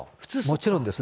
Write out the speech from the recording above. もちろんです。